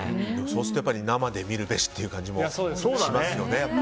そうすると、やはり生で見るべしって感じもしますよね。